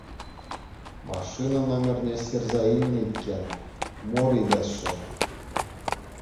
Машина номерне ҫырса илнӗ иккен, мур илесшӗ.